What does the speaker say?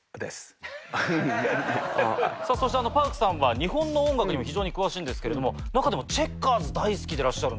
そしてＰａｒｋさんは日本の音楽にも非常に詳しいんですけれども中でもチェッカーズ大好きでいらっしゃるんですよ。